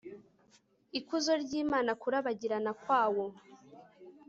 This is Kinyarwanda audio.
ikuzo ry Imana Kurabagirana kwawo